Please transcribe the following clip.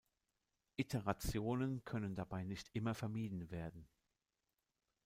Iterationen können dabei nicht immer vermieden werden.